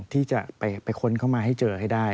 ที่จะไปค้นเข้ามาให้เจอให้ได้